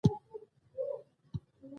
اکبر جان وویل: یو څه پس پسي غوندې و.